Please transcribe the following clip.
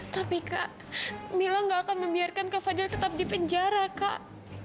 tapi kak mila gak akan membiarkan kak fadil tetap di penjara kak